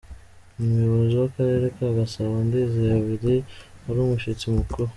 Umuyobozi w’akarere ka Gasabo Ndizeye Willy wari umushyitsi mukuru .